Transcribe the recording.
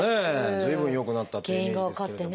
随分良くなったというイメージですけれど。